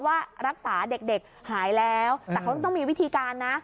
ว่ารักษาเด็กหายแล้วแต่เขาต้องมีวิธีการนะ